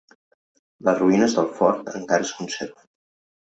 Les ruïnes del fort encara es conserven.